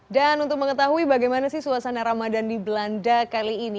dan untuk mengetahui bagaimana sih suasana ramadan di belanda kali ini